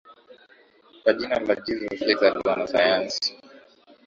kwa jina la Jesus Lizard wana sayansi